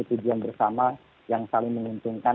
tujuan bersama yang saling menguntungkan